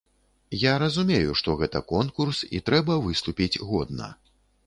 Я разумею, што гэта конкурс, і трэба выступіць годна.